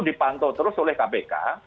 dipantau terus oleh kpk